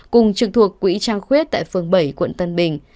cùng trực thuộc quỹ trăng khuyết tại phường bảy quận tân bình